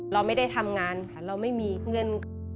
เราไม่ได้ทำงานค่ะเราไม่มีเงิน